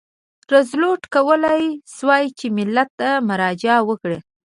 روزولټ کولای شوای چې ملت ته مراجعه وکړي.